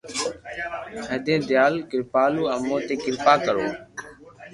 ھيدين ديال ڪرپالو امون تو ڪرپا ڪرو